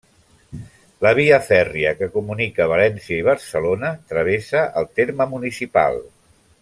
La via fèrria que comunica València i Barcelona travessa el terme municipal.